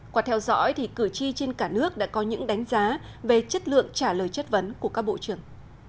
qua theo dõi thì cử tri trên cả nước đã có những đánh giá về chất lượng trả lời chất vấn của các bộ trưởng